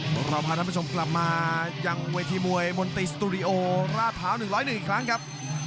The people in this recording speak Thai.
เราพาท่านผู้ชมกลับมายังเวทีมวยมนตรีสตูดิโอราดพร้าว๑๐๑อีกครั้งครับ